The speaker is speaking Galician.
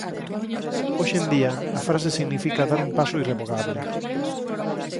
Hoxe en día a frase significa dar un paso irrevogable.